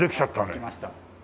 できました。